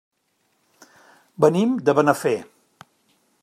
Venim de Benafer.